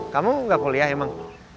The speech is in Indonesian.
kamu gak kuliah emang